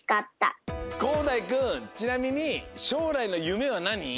こうだいくんちなみにしょうらいのゆめはなに？